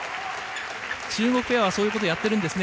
中国ペアはそういうことをやっているんですね。